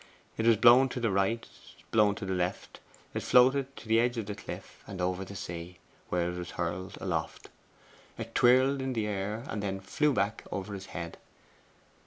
It was blown to the right, blown to the left it floated to the edge of the cliff and over the sea, where it was hurled aloft. It twirled in the air, and then flew back over his head.